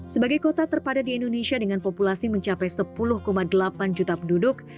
sebagai kota terpadat di indonesia dengan populasi mencapai sepuluh delapan juta penduduk